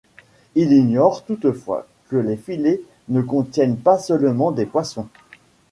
Ils ignorent toutefois que les filets ne contiennent pas seulement des poissons.